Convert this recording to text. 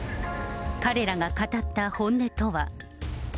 彼らが語った本音とは。